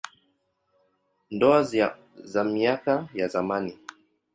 Ndoa za miaka ya zamani.